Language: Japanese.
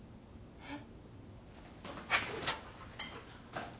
えっ。